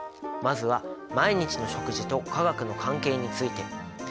まずは毎日の食事と化学の関係について。